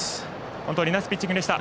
本当にナイスピッチングでした。